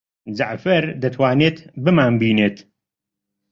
جەعفەر دەتوانێت بمانبینێت؟